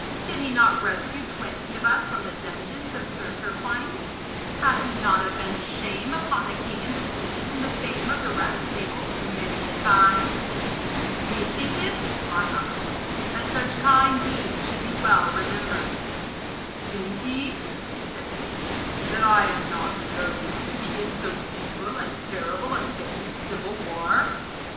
Did he not rescue twenty of us from the dungeons of Sir Turquine? Hath he not avenged shame upon the king and the queen, and the fame of the Round Table many a time? Methinketh, my uncle, that such kind deeds should be well remembered.' 'Think ye,' said the king, 'that I am not loath to begin so evil and terrible a thing as civil war?